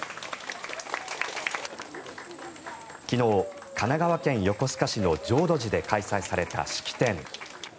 昨日、神奈川県横須賀市の浄土寺で開催された式典。